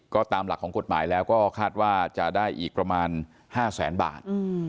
ก็ตามหลักของกฎหมายแล้วก็คาดว่าจะได้อีกประมาณ๕แสนบาท